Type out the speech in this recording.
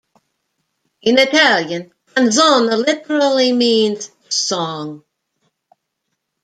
In Italian, "canzona" literally means "song".